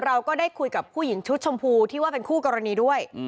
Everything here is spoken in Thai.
เราก็ได้คุยกับผู้หญิงชุดชมพูที่ว่าเป็นคู่กรณีด้วย